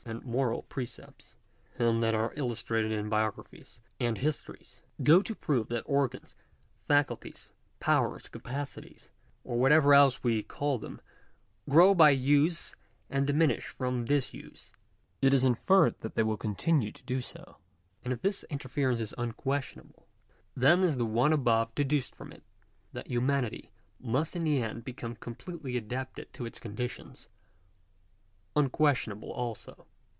and moral precepts, and that are illustrated in biographies and^V Digitized by VjOOQ IC . THE EVANESCENCE OF EVIL. 1,65 histories, go to prove that organs, faculties, powers, capacities, or whatever else we call them, grow by use and diminish from disuse, it is inferred that they will continue to do so. And if this inference is unquestionable, then is the one above deduced from it — that humanity must in the end become completely adapted to its conditions — unquestionable also.